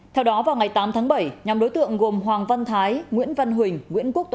theo đó vào ngày tám tháng bảy nhóm đối tượng gồm hoàng văn thái nguyễn văn huỳnh